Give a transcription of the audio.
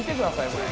これ。